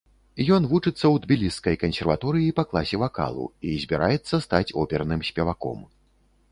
Ён вучыцца ў тбіліскай кансерваторыі па класе вакалу, і збіраецца стаць оперным спеваком.